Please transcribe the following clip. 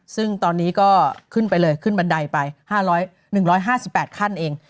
ซึ่งตอนนี้ก็ขึ้นไปเลยขึ้นบันไดไป๑๕๘ขั้นเอง